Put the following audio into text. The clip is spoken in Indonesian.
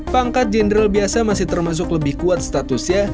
pangkat jenderal biasa masih termasuk lebih kuat statusnya